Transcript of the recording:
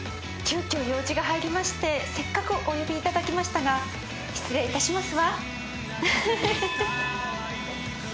急きょ用事が入りましてせっかくお呼びいただきましたが失礼いたしますわ。